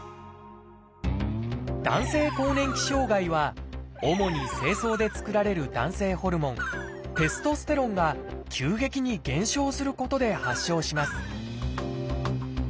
「男性更年期障害」は主に精巣で作られる男性ホルモンテストステロンが急激に減少することで発症します